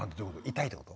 痛いってこと？